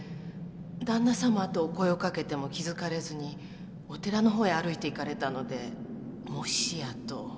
「旦那様」とお声をかけても気づかれずにお寺の方へ歩いていかれたのでもしやと。